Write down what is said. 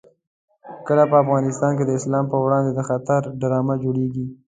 کله په افغانستان کې د اسلام په وړاندې د خطر ډرامه جوړېږي.